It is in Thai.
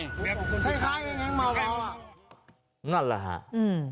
ใกล้ยังไงมาวง่าว